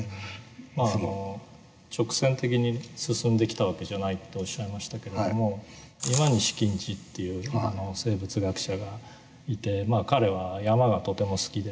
直線的に進んできた訳じゃないとおっしゃいましたけれども今西錦司という生物学者がいて彼は山がとても好きで。